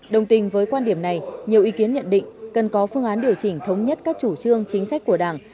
đồng tình với quan điểm này nhiều ý kiến nhận định cần có phương án điều chỉnh thống nhất các chủ trương chính sách của đảng